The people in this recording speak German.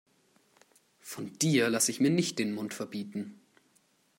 Von dir lasse ich mir nicht den Mund verbieten.